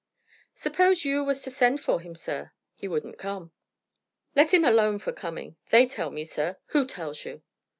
"Suppose you was to send for him, sir." "He wouldn't come." "Let him alone for coming! They tell me, sir " "Who tells you?"